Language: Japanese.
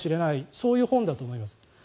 そういう本だと思います。